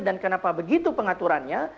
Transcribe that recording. dan kenapa begitu pengaturannya